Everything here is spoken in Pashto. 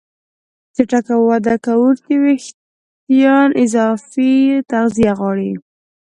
چټک وده کوونکي وېښتيان اضافي تغذیه غواړي.